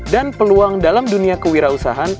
dan peluang dalam dunia kewirausahaan